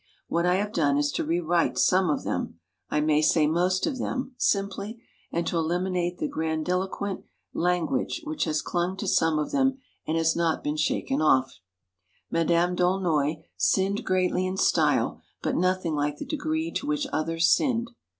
What I have PREFACE done is to rewrite some of them I may say most of them simply, and to eliminate the grandiloquent language which has clung to some of them, and has not been shaken off. Madame D'Aulnoy sinned greatly in style, but nothing like the degree to which others sinned.